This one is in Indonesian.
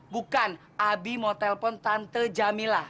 bukan abi mau telepon tante jamilah